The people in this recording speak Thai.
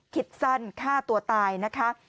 คิดสั้นฆ่าตัวตายนะคะ